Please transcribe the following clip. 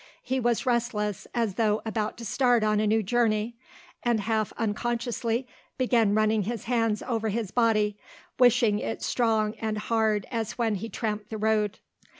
He was restless as though about to start on a new journey and half unconsciously began running his hands over his body wishing it strong and hard as when he tramped the road.